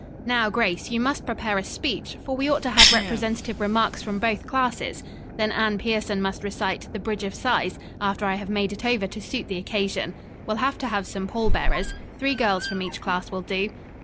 Now, Grace, you must prepare a speech, for we ought to have representative remarks from both classes. Then Anne Pierson must recite 'The Bridge of Sighs,' after I have made it over to suit the occasion. We'll have to have some pallbearers. Three girls from each class will do."